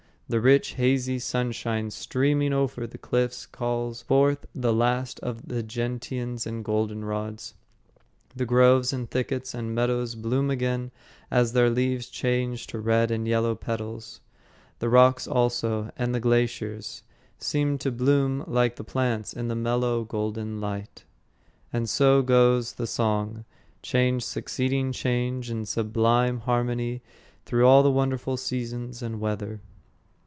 The rich hazy sunshine streaming over the cliffs calls forth the last of the gentians and goldenrods; the groves and thickets and meadows bloom again as their leaves change to red and yellow petals; the rocks also, and the glaciers, seem to bloom like the plants in the mellow golden light. And so goes the song, change succeeding change in sublime harmony through all the wonderful seasons and weather.